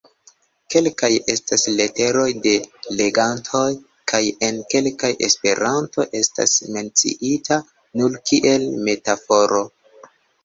Kelkaj estas leteroj de legantoj, kaj en kelkaj Esperanto estas menciita nur kiel metaforo.